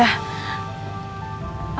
aku ingin tahu